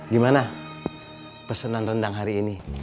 gimana pesanan rendang hari ini